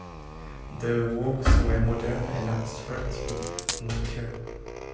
The works were modern and abstract in nature.